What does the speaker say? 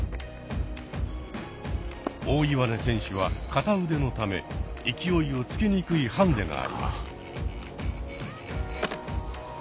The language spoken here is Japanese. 大岩根選手は片腕のため勢いをつけにくいハンデがあります。